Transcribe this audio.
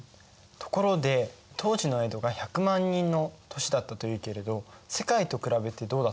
ところで当時の江戸が１００万人の都市だったというけれど世界と比べてどうだったんですか？